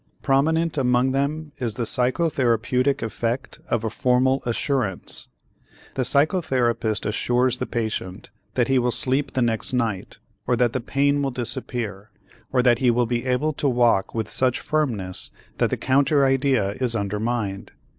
Prominent among them is the psychotherapeutic effect of a formal assurance. The psychotherapist assures the patient that he will sleep the next night or that the pain will disappear or that he will be able to walk with such firmness that the counter idea is undermined.